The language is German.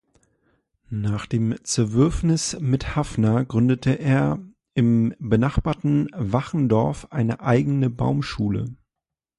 Nach dem Zerwürfnis mit Haffner gründete er im benachbarten Wachendorf eine eigene Baumschule.